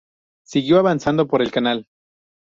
Siguió avanzando por el canal.